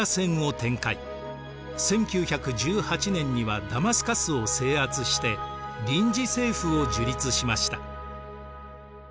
１９１８年にはダマスカスを制圧して臨時政府を樹立しました。